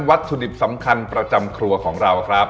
วัตถุดิบสำคัญประจำครัวของเราครับ